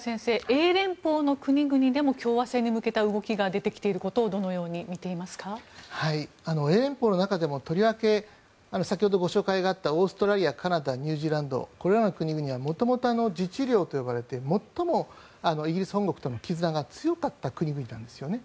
英連邦の国々でも共和制に向けた動きが出てきていることを英連邦の中でもとりわけ先ほどご紹介があったオーストラリア、カナダニュージーランドこれらの国々は元々自治領と呼ばれて最もイギリス本国との絆が強かった国々なんですよね。